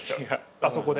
あそこで。